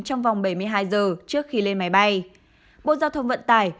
trong vòng bảy mươi hai giờ trước khi lên máy bay bộ giao thông vận tải